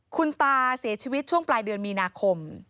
คุณตาเสียชีวิตช่วงปลายเดือนมีนาคม